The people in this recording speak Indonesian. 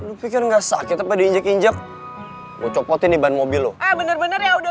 eh lu pikir enggak sakit apa diinjek injek gue cobotin di ban mobil lo bener bener ya udah